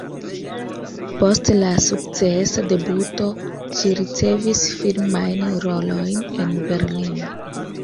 Post la sukcesa debuto ŝi ricevis filmajn rolojn en Berlino.